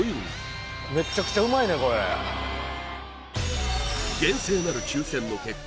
これ厳正なる抽選の結果